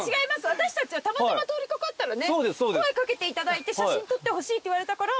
私たちはたまたま通り掛かったら声掛けていただいて写真撮ってほしいって言われたから。